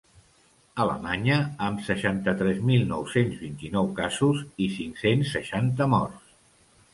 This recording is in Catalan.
Alemanya, amb seixanta-tres mil nou-cents vint-i-nou casos i cinc-cents seixanta morts.